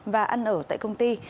và ăn ở tại công ty